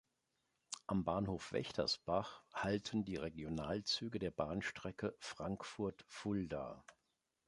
Am Bahnhof Wächtersbach halten die Regionalzüge der Bahnstrecke Frankfurt-Fulda.